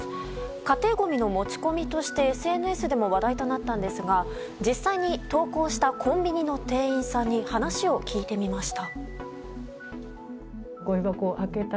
家庭ごみの持ち込みとしてＳＮＳでも話題となったんですが実際に投稿したコンビニの店員さんに話を聞いてみました。